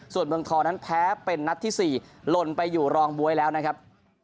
ส่วนเมืองทองนั้นแพ้เป็นนัดที่๔ลนไปอยู่รองบ๊วยแล้วนะครับ